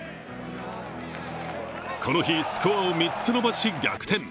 この日、スコアを３つ伸ばし逆転。